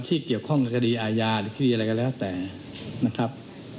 ที่เกี่ยวข้องกับคดีอาญาหรือคดีอะไรก็แล้วแต่นะครับ